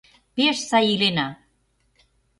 Пеш сай илена!